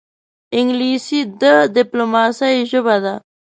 انګلیسي د ډیپلوماسې ژبه ده